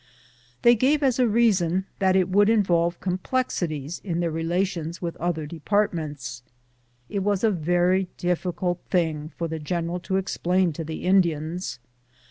They gave as a reason that it would in volve complexities in their relations with other depart ments. It was a very difficult thing for the general to explain to the Indians.